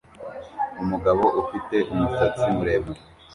Umugabo ufite umusatsi muremure